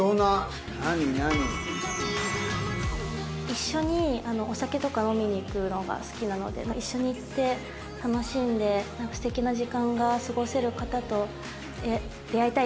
一緒にお酒とか飲みに行くのが好きなので一緒に行って楽しんで素敵な時間が過ごせる方と出会いたいです。